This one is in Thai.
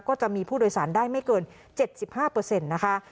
ก็จะมีผู้โดยสารได้ไม่เกิน๗๕นะคะ